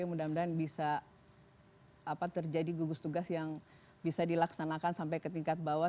mudah mudahan bisa terjadi gugus tugas yang bisa dilaksanakan sampai ke tingkat bawah